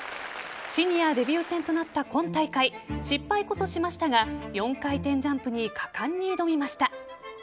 シニアデビュー戦となった今大会失敗こそしましたが４回転ジャンプに果敢に挑みました。